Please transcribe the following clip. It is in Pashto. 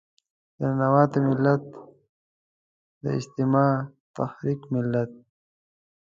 د ننواتې ملت، د اجتماعي تحرک ملت.